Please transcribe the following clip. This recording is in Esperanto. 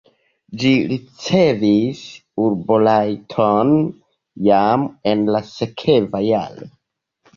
Ĝi ricevis urborajton jam en la sekva jaro.